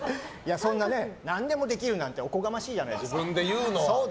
そんな何でもできるなんておこがましいじゃないですか。